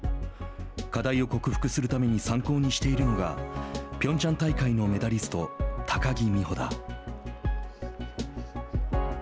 課題を克服するために参考にしているのがピョンチャン大会のメダリスト高木美帆だ。